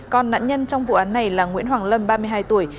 còn nạn nhân trong vụ án này là nguyễn hoàng lâm ba mươi hai tuổi